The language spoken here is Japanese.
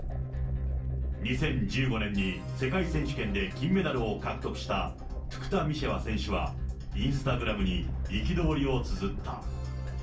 ２０１５年に世界選手権で金メダルを獲得したトゥクタミシェワ選手はインスタグラムに憤りをつづった。